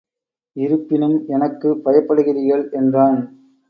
இருப்பினும் எனக்குப் பயப்படுகிறீர்கள் என்றான்.